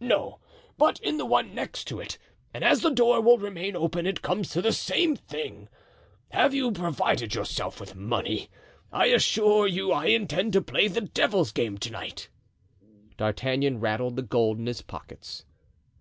"No, but in the one next to it, and as the door will remain open it comes to the same thing. Have you provided yourself with money? I assure you I intend to play the devil's game to night." D'Artagnan rattled the gold in his pockets.